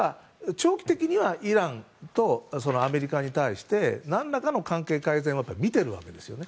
長期的にはイランとアメリカに対して何らかの関係改善をみてるわけですよね。